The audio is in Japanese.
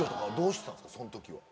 その時は。